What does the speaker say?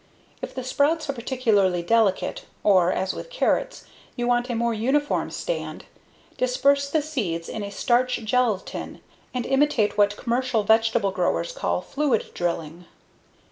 If the sprouts are particularly delicate or, as with carrots, you want a very uniform stand, disperse the seeds in a starch gelatin and imitate what commercial vegetable growers call fluid drilling.